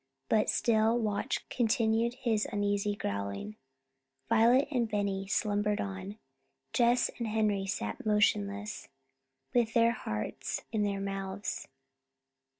But still Watch continued his uneasy growling. Violet and Benny slumbered on. Jess and Henry sat motionless, with their hearts in their mouths.